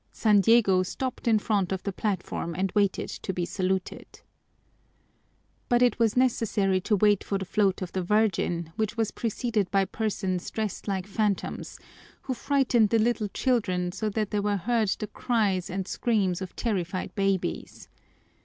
San Diego stopped in front of the platform and waited to be saluted. But it was necessary to wait for the float of the Virgin, which was preceded by persons dressed like phantoms, who frightened the little children so that there were heard the cries and screams of terrified babies.